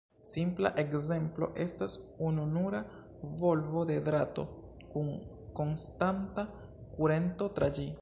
Simpla ekzemplo estas ununura volvo de drato kun konstanta kurento tra ĝi.